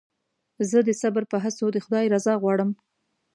زه د صبر په هڅو د خدای رضا غواړم.